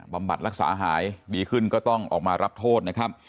บำบัดรักษาหายดีขึ้นก็ต้องออกมารับโทษนะครับ